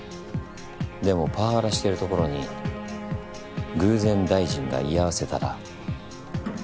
でもパワハラしてるところに偶然大臣が居合わせたら？